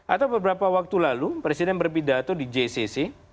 atau beberapa waktu lalu presiden berpidato di jcc